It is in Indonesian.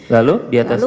lalu di atasnya